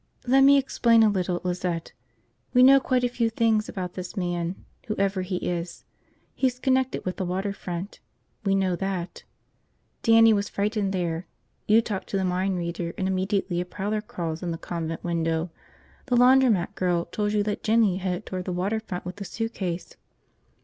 "Let me explain a little, Lizette. We know quite a few things about this man, whoever he is. He's connected with the water front, we know that. Dannie was frightened there, you talked to the mind reader and immediately a prowler crawls in the convent window, the laundromat girl told you that Jinny headed toward the water front with the suitcase."